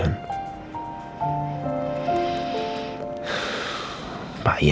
jangan diam sepertiku